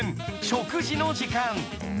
［食事の時間］